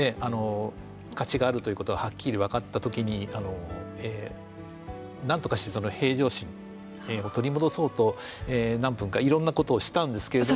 勝ちがあるということをはっきり分かったときになんとかして平常心を取り戻そうと何分かいろんなことをしたんですけれども。